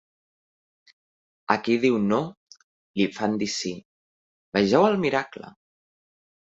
A qui diu "no" li fan dir "sí"; vegeu miracle!